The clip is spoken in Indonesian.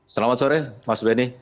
selamat sore mas benny